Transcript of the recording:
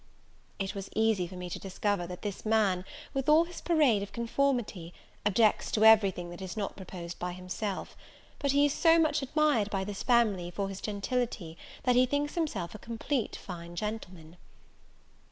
It was easy for me to discover, that this man, with all his parade of conformity, objects to every thing that is not proposed by himself: but he is so much admired by this family for his gentility, that he thinks himself a complete fine gentleman!